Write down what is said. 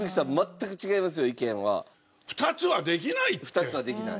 ２つはできない。